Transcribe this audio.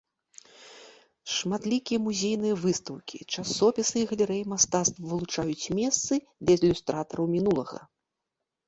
Шматлікія музейныя выстаўкі, часопісы і галерэі мастацтваў вылучаюць месцы для ілюстратараў мінулага.